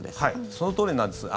そのとおりなんです。